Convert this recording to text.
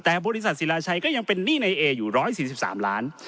แต่บริษัทศิลาชัยก็ยังเป็นหนี้ในเออยู่๑๔๓ล้าน